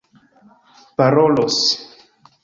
parolos